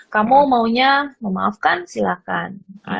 kamu maunya memaafkan silahkan